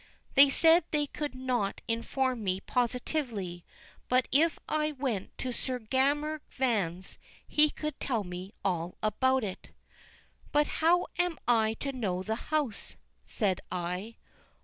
They said they could not inform me positively, but if I went to Sir Gammer Vans he could tell me all about it. "But how am I to know the house?" said I.